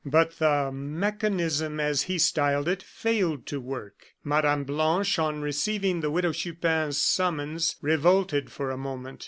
But the "mechanism," as he styled it, failed to work. Mme. Blanche, on receiving the Widow Chupin's summons, revolted for a moment.